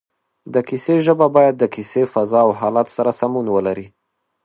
د کیسې ژبه باید د کیسې فضا او حالت سره سمون ولري